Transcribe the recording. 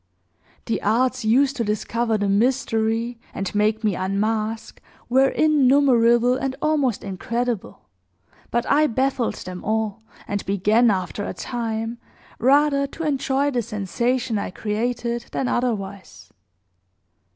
"The arts used to discover the mystery and make me unmask were innumerable and almost incredible; but I baffled them all, and began, after a time, rather to enjoy the sensation I created than otherwise.